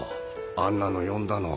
あんなの呼んだの。